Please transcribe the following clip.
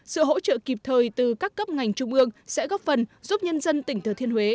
sự hỗ trợ kịp thời từ các cấp ngành trung ương sẽ góp phần giúp nhân dân tỉnh thừa thiên huế